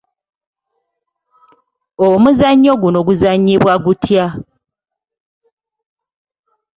Omuzannyo guno guzannyibwa gutya?